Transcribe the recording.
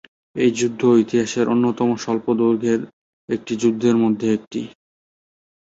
এই যুদ্ধ ইতিহাসের অন্যতম স্বল্পদৈর্ঘ্যের একটি যুদ্ধের মধ্যে একটি।